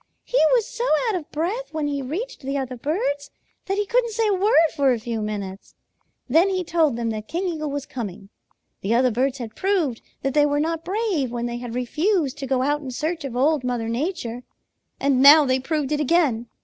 "He was so out of breath when he reached the other birds that he couldn't say a word for a few minutes. Then he told them that King Eagle was coming. The other birds had proved that they were not brave when they had refused to go out in search of Old Mother Nature, and now they proved it again.